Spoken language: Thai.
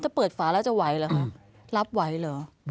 ถ้าเปิดฝาแล้วจะไหวเหรอคะรับไหวเหรอ